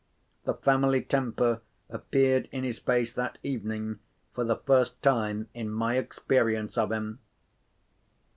The family temper appeared in his face that evening, for the first time in my experience of him.